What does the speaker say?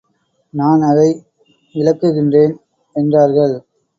நான் அதை விலக்குகின்றேன் என்றார்கள்.